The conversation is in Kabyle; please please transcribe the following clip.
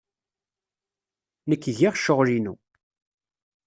Nekk giɣ ccɣel-inu.